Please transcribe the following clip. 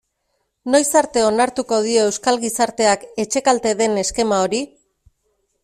Noiz arte onartuko dio euskal gizarteak etxekalte den eskema hori?